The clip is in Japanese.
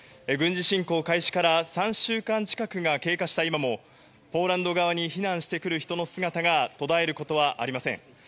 軍事侵攻開始から３週間近くが経過した今もポーランド側に避難してくる人の姿が途絶えることはありません。